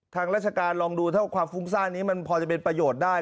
ทางราชการลองดูถ้าความฟุ้งซ่านนี้มันพอจะเป็นประโยชน์ได้